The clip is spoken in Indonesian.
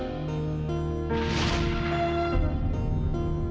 nggak sudah duduk